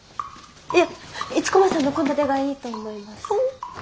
いや一駒さんの献立がいいと思います。